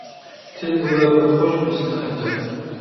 تىل گويا بىر قوش بىسلىق خەنجەر.